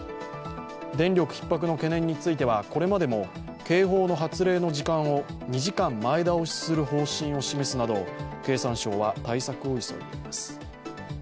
電力ひっ迫の懸念についてはこれまでも警報の発令の時間を２時間前倒しする方針を示すなど経産省は対策を急いでいます。